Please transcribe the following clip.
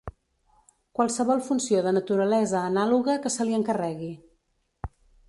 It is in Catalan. Qualsevol funció de naturalesa anàloga que se li encarregui.